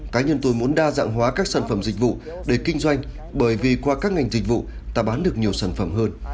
cá nhân tôi muốn đa dạng hóa các sản phẩm dịch vụ để kinh doanh bởi vì qua các ngành dịch vụ ta bán được nhiều sản phẩm hơn